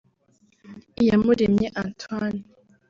Iyamuremye Antoine